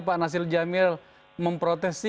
pak nasir jamil memprotes